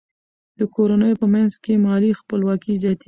د کورنیو په منځ کې مالي خپلواکي زیاتیږي.